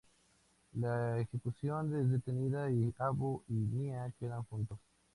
La ejecución es detenida, y Abu y Nya quedan juntos.